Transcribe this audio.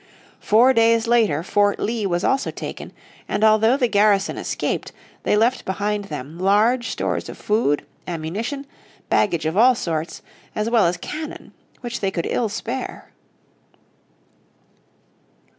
Four days later Fort Lee was also taken, and although the garrison escaped they left behind them large stores of food, ammunition, baggage of all sorts, as well as cannon, which they could ill spare.